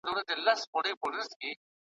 په لوی لاس چي څوک غنم کري نادان دئ `